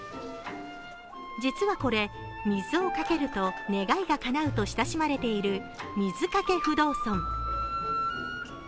実はこれ、水をかけると願いがかなうと親しまれている水掛不動尊。